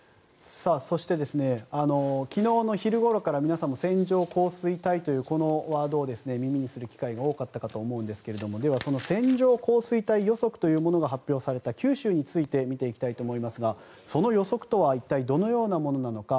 そして、昨日の昼ごろから皆さんも線状降水帯というこのワードを耳にする機会が多かったかと思うんですがでは、線状降水帯予測というものが発表された九州について見ていきたいと思いますがその予測とは一体どのようなものなのか。